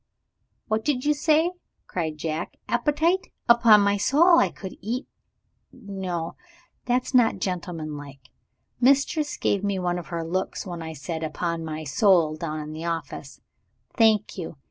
"What did you say?" cried Jack. "Appetite! Upon my soul, I could eat No, that's not gentleman like. Mistress gave me one of her looks when I said 'Upon my soul' down in the office. Thank you.